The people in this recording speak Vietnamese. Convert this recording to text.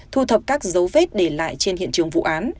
thu thập các dấu vết để lại trên hiện trường vụ án